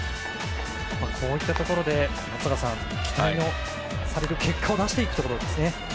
こういったところで期待されて結果を出していくところですね。